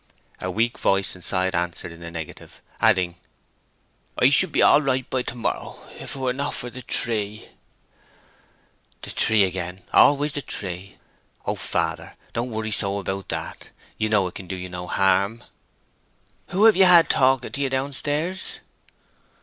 A weak voice inside answered in the negative; adding, "I should be all right by to morrow if it were not for the tree!" "The tree again—always the tree! Oh, father, don't worry so about that. You know it can do you no harm." "Who have ye had talking to ye down stairs?"